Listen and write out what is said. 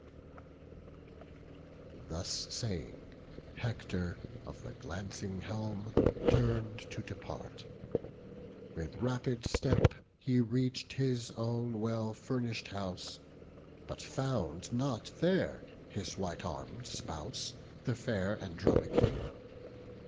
Thus saying, Hector of the glancing helm Turn'd to depart; with rapid step he reach'd His own well furnished house, but found not there His white arm'd spouse, the fair Andromache.